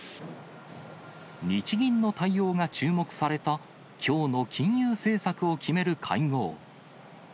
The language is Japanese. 日銀の対応が注目された、きょうの金融政策を決める会合。